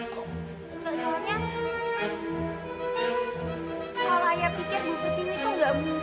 kalau ayah pikir